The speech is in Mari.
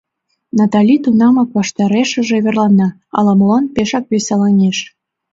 Натали тунамак ваштарешыже верлана, ала-молан пешак веселаҥеш.